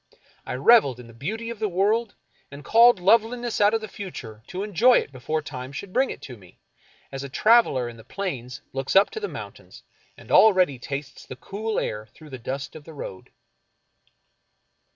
I reveled in the beauty of the world, and called loveliness out of the future to enjoy it before time should bring it to me, as a traveler in the plains looks up to the mountains, and already tastes the cool air through the dust of the road.